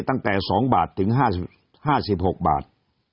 ตั้งแต่๒บาทถึง๕๖บาท